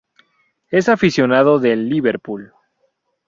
Es aficionado del Liverpool.